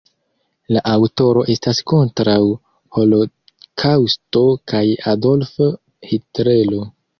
La aŭtoro estas kontraŭ holokaŭsto kaj Adolfo Hitlero.